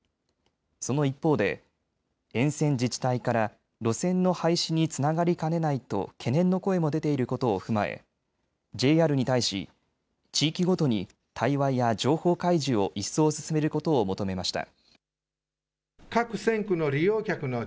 その一方で沿線自治体から路線の廃止につながりかねないと懸念の声も出ていることを踏まえＪＲに対し、地域ごとに対話や情報開示を一層進めることを求めました。